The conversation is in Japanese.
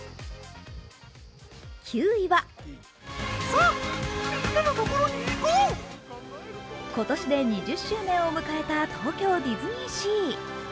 ９位は、今年で２０周年を迎えた東京ディズニーシー。